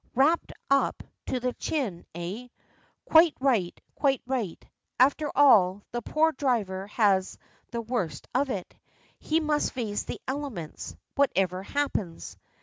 Wrapped up to the chin, eh? Quite right quite right. After all, the poor driver has the worst of it. He must face the elements, whatever happens.